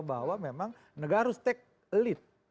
bahwa memang negara harus take lead